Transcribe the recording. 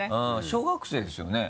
小学生ですよね？